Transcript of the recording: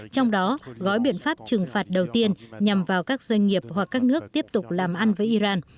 trong đó gói biện pháp trừng phạt đầu tiên nhằm vào các doanh nghiệp hoặc các nước tiếp tục làm ăn với iran